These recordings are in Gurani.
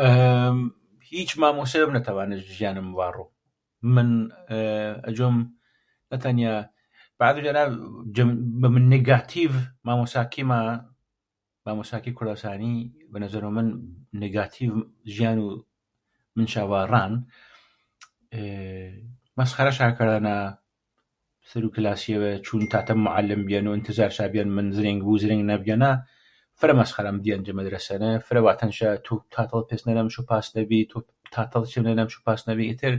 ئێ هیچ مامۆسەیڤم نەتاڤانش ژیانم ڤارۆ. ئێێ من ئەجۆم بەحزێڤ جارێ بە نێگاتیڤ مامۆساکێما مامۆاکێ کوردەسانی نێگاتیڤ ژیانوو منشا ڤاران مەسخەرەشاکەرذەنا چوون تاتەم موحەلم بیەن و ئێنتێزارشا بیەن ن زرێنگ بوو و زرێنگ نەبیەنا فرە مەسخەرەم دیەن جە مەدرەسەنە فرە ڤاتەنشا تۆ اتتەذ پێسنەنە مشۆ پاسنە بی تۆ تاتەذ چێمنەنە مشۆ پیسنە بی ئێتر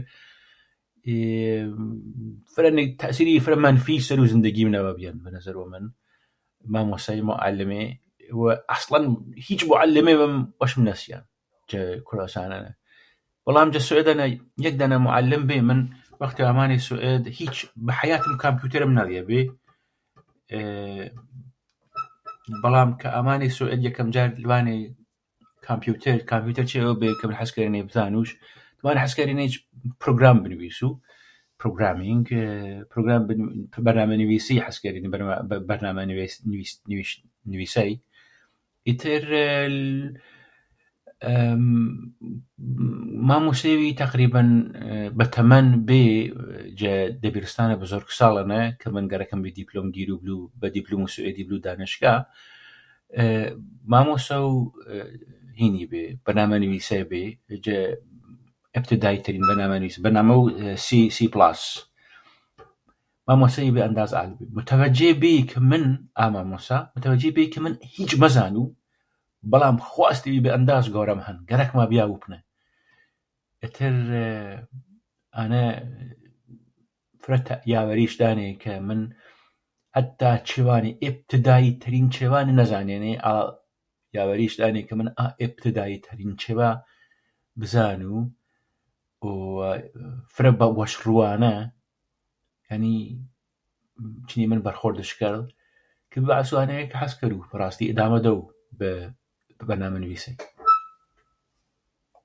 ئێێێێ تەئسیرێڤی فرە مەنفیش سەروو زندگی منەڤە بیەن بەنەزەرۆ من مامۆسای موعەلێمێ وە ئەسڵەن هیچ موعەلێمێڤم وەشم نەسیان جە کورذەسانەنە بەڵام جە سوێدەنە یەکدانە موحەلم بێ من وەختێڤ ئامانێ سوێد هیچ بە حەیاتم کامیوترم نەذیەبێ ئێ بەڵام کە ئامانی سوید یەکەم جار لڤانێ کامپیوتێر کامپیوتێر چێڤێڤ بێ کە من حەز کەرێنێ بزانووش دماو ئانەیە حەز کەرێنیچ پرۆگرام بنڤیسوو پرۆگرامینگگ ئێ پرۆگرام بەرنامە نڤیسی ئێ عەز کەرێنێ بەرنامە نوش نوش نڤیسەی ئێت ئێێێێ مامۆسێڤی تەقریبەن بە تەمەن بێ جە دەبیرستانی بۆزۆرگساڵەنە کە من گەرەکم بێ دیپلۆم گێروو بلوو بە دیپلۆموو سوێدی بلوو دانشگا مامۆساوو ئێ ئێ هینی بەرنامە نڤیسەی بێ جە ئێبتێدایی تەرین بەرنامە نڤیسەی بەرنامەو سی سی پڵاس مامۆسێڤی بێ ئەنداز حال بێ مۆتەڤەجێ بێ کە من ئا مامۆسا مۆتەڤەجێ بێ کە من هیچ مەزانوو بەڵام خواستێڤی بێ ئەنداز گەورەم هەم گەرەکما بیاڤوو پنە ئێتر ئانە فرە ئێ یاڤەریش دانێ کە من حەتا چێڤانێ ئێبتێدایی تەرین چێڤانێ نەزانێنێ ئاذ یاڤەریش دانێ کە من ئا ئێبتێدایی تەرین چێڤا بزانوو وە فرە بە وەشروانە چنی من بەرخورذش کەرذ کە بی باعێسوو ئانەیە کە من بە ڕاسی حەز کەروو بەرانمە نڤیسەی